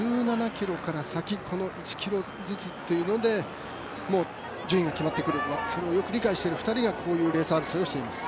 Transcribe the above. １７ｋｍから先、この１ｋｍずつというので順位が決まってくるそれをよく理解している２人がこういうレース争いをしています。